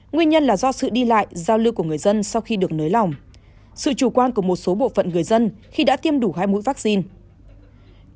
nguyên nhân là do sự đi lại giao lưu của người dân sau khi được nới lỏng sự chủ quan của một số bộ phận người dân khi đã tiêm đủ hai mũi vaccine